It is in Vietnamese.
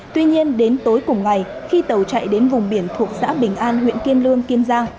tuy nhiên đến tối cùng ngày khi tàu chạy đến vùng biển thuộc xã bình an huyện kiên lương kiên giang